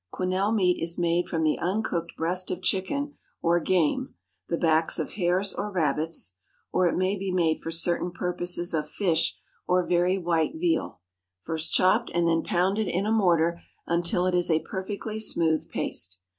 Quenelle meat is made from the uncooked breast of chicken or game, the backs of hares or rabbits (or it may be made for certain purposes of fish or very white veal), first chopped, and then pounded in a mortar until it is a perfectly smooth paste.